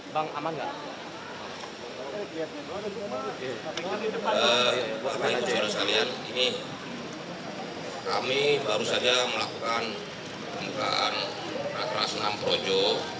bapak ibu jualan sekalian kami baru saja melakukan pembukaan rakeras enam projo